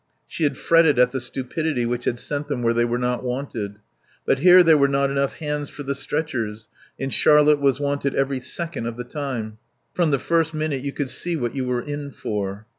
She had fretted at the stupidity which had sent them where they were not wanted. But here there were not enough hands for the stretchers, and Charlotte was wanted every second of the time. From the first minute you could see what you were in for.